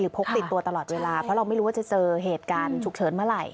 พกติดตัวตลอดเวลาเพราะเราไม่รู้ว่าจะเจอเหตุการณ์ฉุกเฉินเมื่อไหร่